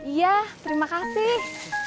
iya terima kasih